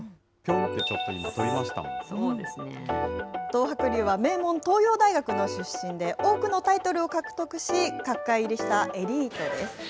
東白龍は名門、東洋大学の出身で、多くのタイトルを獲得し、角界入りしたエリートです。